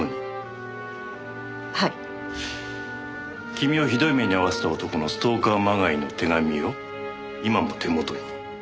君をひどい目に遭わせた男のストーカーまがいの手紙を今も手元に？